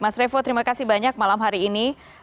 mas revo terima kasih banyak malam hari ini